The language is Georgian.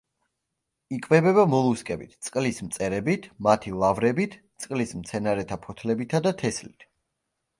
იკვებება მოლუსკებით, წყლის მწერებით, მათი ლარვებით, წყლის მცენარეთა ფოთლებითა და თესლით.